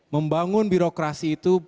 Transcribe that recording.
membangun birokrasi itu